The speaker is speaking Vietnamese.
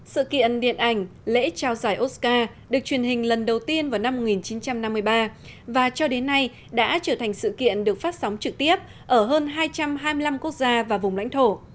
sự kiện điện ảnh lễ trao giải oscar được truyền hình lần đầu tiên vào năm một nghìn chín trăm năm mươi ba và cho đến nay đã trở thành sự kiện được phát sóng trực tiếp ở hơn hai trăm hai mươi năm quốc gia và vùng lãnh thổ